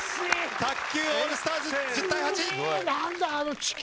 卓球オールスターズ１０対８。